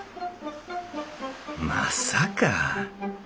まさか。